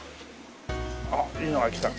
あっいいのが来た。